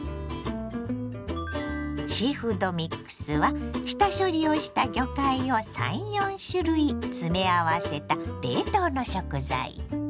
シーフードミックスは下処理をした魚介を３４種類詰め合わせた冷凍の食材。